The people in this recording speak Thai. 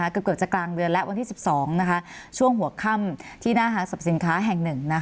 เกือบจะกลางเดือนแล้ววันที่๑๒ช่วงหัวค่ำที่หน้าศัพท์สินค้าแห่ง๑